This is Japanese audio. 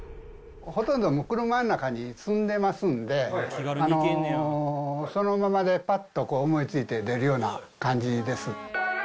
ほとんど車の中に積んでますんで、そのままでぱっと思いついて、出るような感じです。